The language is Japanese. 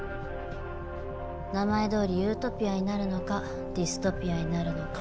名前どおりユートピアになるのかディストピアになるのか。